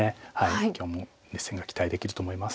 今日も熱戦が期待できると思います。